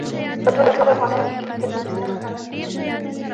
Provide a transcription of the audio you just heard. په ټول افغانستان کې د نورستان په اړه زده کړه کېږي.